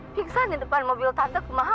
pingsan di depan mobil tante kumaha